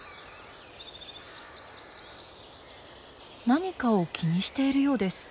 何かを気にしているようです。